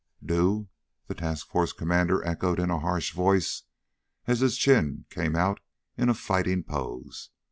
"Do?" the task force commander echoed in a harsh voice, as his chin came out in a fighting pose.